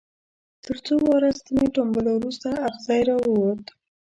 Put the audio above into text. تر څو واره ستنې ټومبلو وروسته اغزی را ووت.